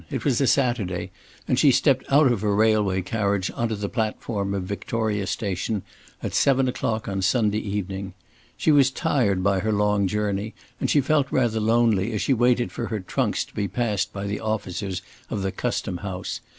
It was a Saturday, and she stepped out of her railway carriage on to the platform of Victoria Station at seven o'clock on the Sunday evening. She was tired by her long journey, and she felt rather lonely as she waited for her trunks to be passed by the officers of the custom house.